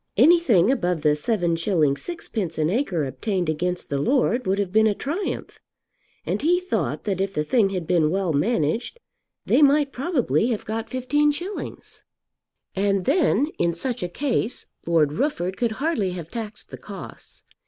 Anything above the 7_s._ 6_d._ an acre obtained against the lord would have been a triumph, and he thought that if the thing had been well managed, they might probably have got 15_s._ And then, in such a case, Lord Rufford could hardly have taxed the costs.